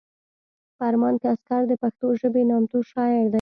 فرمان کسکر د پښتو ژبې نامتو شاعر دی